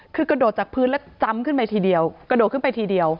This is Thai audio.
คือกระโดดจากพื้นแล้วจำขึ้นไปทีเดียวกระโดดขึ้นไปทีเดียว